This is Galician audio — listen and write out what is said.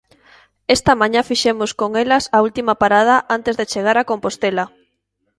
Esta mañá fixemos con elas a última parada antes de chegar a Compostela.